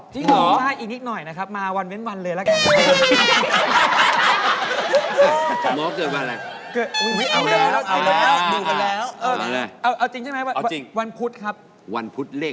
พี่ฟีร่าน